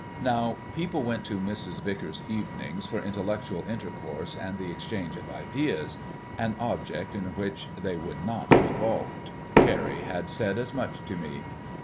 Now people went to Mrs. Vicars's "evening" for intellectual intercourse and the exchange of ideas an object in which they would not be balked. Carrie had said as much to me.